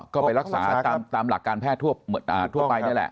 ก็ไปรักษาตามหลักการแพทย์ทั่วไปนี่แหละ